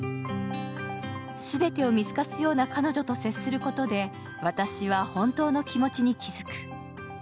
全てを見透かすような彼女と接することで私は本当に気持ちに気づく。